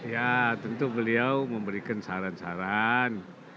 ya tentu beliau memberikan saran saran